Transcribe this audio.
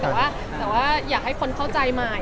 แต่ว่าอยากให้คนเข้าใจใหม่